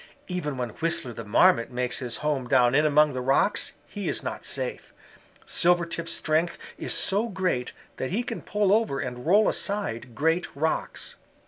Even when Whistler the Marmot makes his home down in among the rocks, he is not safe. Silvertip's strength is so great that he can pull over and roll aside great rocks.